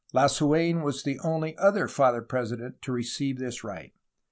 Lasuen was the only other Father President to receive this right.